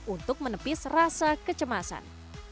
untuk menepis rasa kecemasan